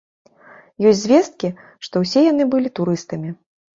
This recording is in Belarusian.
Ёсць звесткі, што ўсе яны былі турыстамі.